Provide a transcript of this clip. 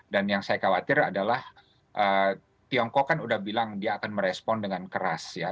dan yang saya khawatir adalah tiongkok kan sudah bilang dia akan merespon dengan keras ya